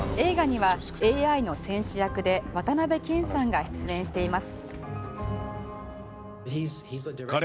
映画にはＡＩの戦士役で渡辺謙さんが出演しています。